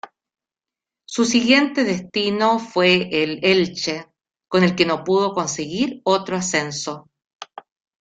Su siguiente destino fue el Elche, con el que no pudo conseguir otro ascenso.